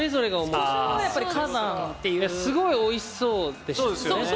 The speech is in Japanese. すごいおいしそうでしたね。